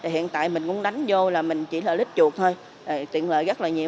hiện tại mình cũng đánh vô là mình chỉ là lít chuột thôi tiện lợi rất là nhiều